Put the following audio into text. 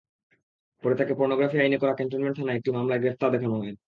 পরে তাঁকে পর্নোগ্রাফি আইনে করা ক্যান্টনমেন্ট থানার একটি মামলায় গ্রেপ্তার দেখানো হয়।